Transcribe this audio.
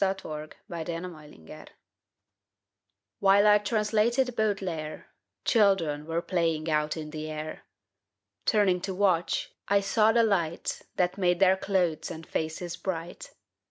THE TRANSLATOR AND THE CHILDREN While I translated Baudelaire, Children were playing out in the air. Turning to watch, I saw the light That made their clothes and faces bright.